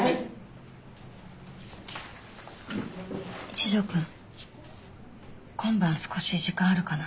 一条くん今晩少し時間あるかな。